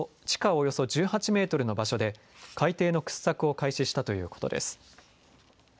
およそ１８メートルの場所で海底の掘削を開始したということです。